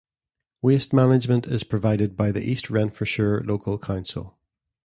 Waste management is provided by the East Renfrewshire local council.